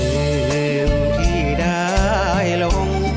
เผื่อเหิมที่ได้ลง